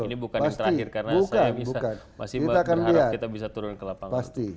ini bukan yang terakhir karena saya bisa masih berharap kita bisa turun ke lapangan